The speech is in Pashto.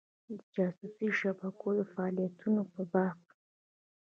د جاسوسي شبکو د فعالیتونو په باب.